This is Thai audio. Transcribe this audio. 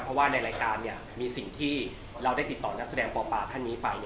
เพราะว่าในรายการมีสิ่งที่เราได้ติดต่อนักแสดงปปาท่านนี้ไป